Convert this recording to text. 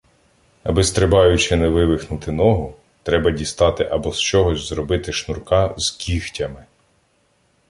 Аби, стрибаючи, не вивихнути ногу, треба дістати або з чогось зробити шнурка з "кігтями".